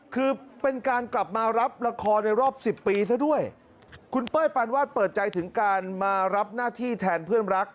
คือเป็นการกลับมารับละครในรอบสิบปีซะด้วยคุณเป้ยปานวาดเปิดใจถึงการมารับหน้าที่แทนเพื่อนรัก